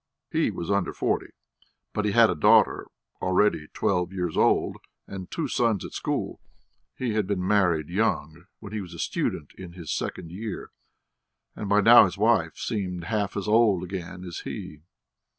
He was under forty, but he had a daughter already twelve years old, and two sons at school. He had been married young, when he was a student in his second year, and by now his wife seemed half as old again as he.